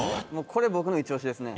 これ僕のイチオシですね。